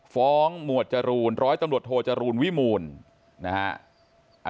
หมวดจรูนร้อยตำรวจโทจรูลวิมูลนะฮะ